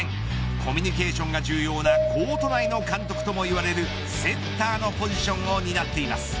コミュニケーションが重要なコート内の監督ともいわれるセッターのポジションを担っています。